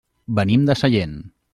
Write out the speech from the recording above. Venim de Sallent.